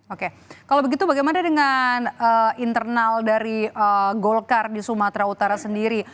oke kalau begitu bagaimana dengan internal dari golkar di sumatera utara sendiri